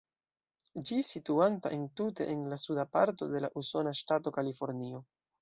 Ĝi situanta entute en la suda parto de la usona ŝtato Kalifornio.